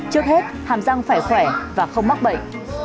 trước hết hàm răng đẹp là một hàm răng đẹp